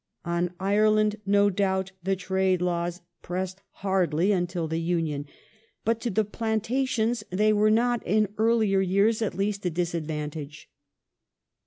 On Ireland, no doubt, the Trade Laws pressed hardly until the Union ; but to the " plantations " they were not, in earlier years at least, a disadvantage.